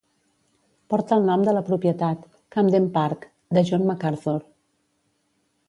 Porta el nom de la propietat "Camden Park" de John Macarthur.